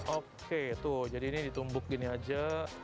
oke tuh jadi ini ditumbuk gini aja